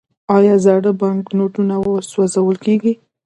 آیا زاړه بانکنوټونه سوځول کیږي؟